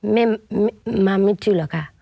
แม่ไม่ถูกหรอกค่ะ